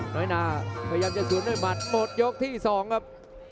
น้อยนาพยายามจะสวนด้วยหมัดหมดยกที่๒ครับ